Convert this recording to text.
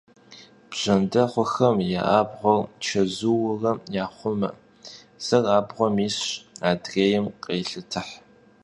Bjjendexhuxem ya abğuer çezuure yaxhume; zır abğuem yisş, adrêym khêlhetıh.